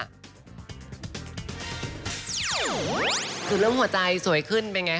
คือเรื่องหัวใจสวยขึ้นเป็นอย่างไรคะ